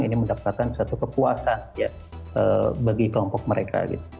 ini mendapatkan suatu kepuasan bagi kelompok mereka